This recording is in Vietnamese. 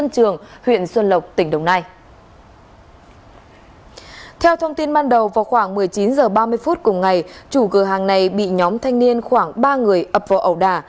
chủ cửa hàng này bị nhóm thanh niên khoảng ba người ập vào ẩu đà